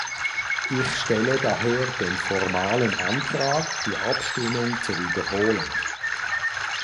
Ich stelle daher den formalen Antrag, die Abstimmung zu wiederholen.